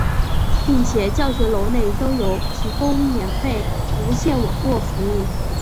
并且教学楼内都有提供免费无线网络服务。